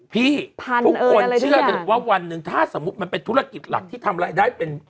ทุกคนเชื่อกันว่าวันหนึ่งถ้าสมมุติมันเป็นธุรกิจหลักที่ทำรายได้เป็น